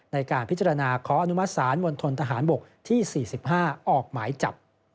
ในการพิจารณาขออนุมัติศาลมณฑนทหารบกที่๔๕ออกหมายจับ